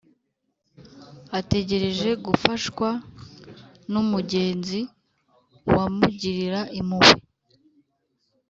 ategereje gufashwa n’umugenzi wamugirira impuhwe